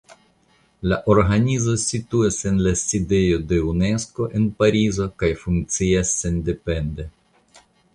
La organizo situas en la sidejo de Unesko en Parizo kaj funkcias sendepende.